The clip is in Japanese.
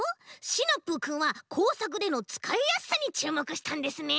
シナプーくんはこうさくでのつかいやすさにちゅうもくしたんですね。